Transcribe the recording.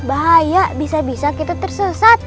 bahaya bisa bisa kita tersesat